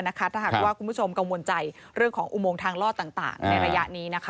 ถ้าหากว่าคุณผู้ชมกังวลใจเรื่องของอุโมงทางลอดต่างในระยะนี้